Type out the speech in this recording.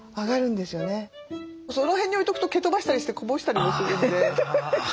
その辺に置いとくと蹴飛ばしたりしてこぼしたりもするんで。